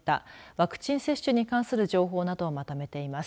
ワクチン接種に関する情報などをまとめています。